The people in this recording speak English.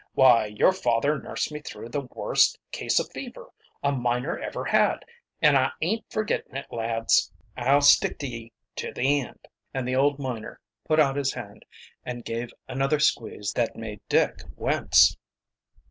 Why, your father nursed me through the worst case o' fever a miner ever had an' I ain't forgittin' it, lads. I'll stick to ye to the end." And the old miner put out his hand and gave another squeeze that made Dick wince.